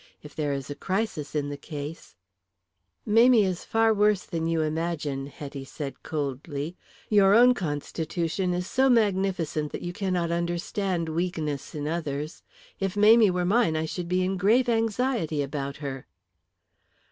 If there is a crisis in the case " "Mamie is far worse than you imagine," Hetty said coldly. "Your own constitution is so magnificent that you cannot understand weakness in others. If Mamie were mine I should be in grave anxiety about her."